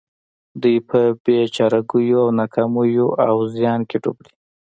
دوی په بې چارګيو او ناکاميو او زيان کې ډوب دي.